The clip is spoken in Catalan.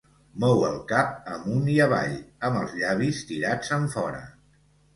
Mou el cap amunt i avall, amb els llavis tirats enfora.